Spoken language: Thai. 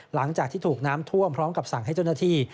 หลังจากที่ถูกน้ำท่วมพร้อมกับสั่งให้เจ้าหน้าที่